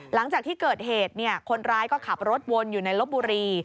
หลังจากที่เกิดเหตุคนร้ายก็ขับรถวนอยู่ในลบบุรี